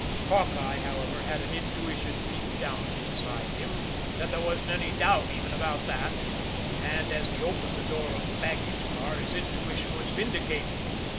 Hawkeye, however, had an intuition deep down inside of him that there wasn't any doubt even about that, and as he opened the door of the baggage car his intuition was vindicated.